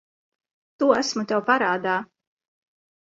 To esmu tev parādā.